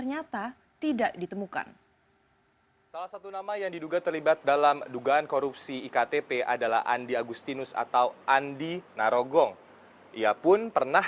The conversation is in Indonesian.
yang menang lebih senilai rp lima sembilan ratus setelah dipotong pajak